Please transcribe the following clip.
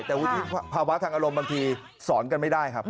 แต่วุฒิภาวะทางอารมณ์บางทีสอนกันไม่ได้ครับ